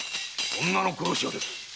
女の殺し屋です。